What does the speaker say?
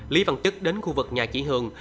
lý văn chức đến khu vực nhà chị hường